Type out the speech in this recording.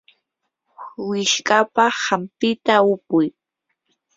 wishqapa hampita upuy.